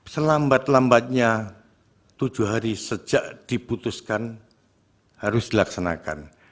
selambat lambatnya tujuh hari sejak diputuskan harus dilaksanakan